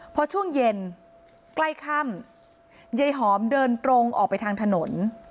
พอช่วงเย็นใกล้ค่ำยายหอมเดินตรงออกไปทางถนน